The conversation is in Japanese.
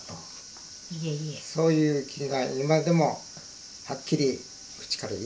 そういう気が今でもはっきり口から言えるよね。